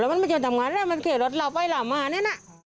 แล้วมันไม่จำทำงานเลยมันเขียนรถรอบไว้รอบมานี่น่ะ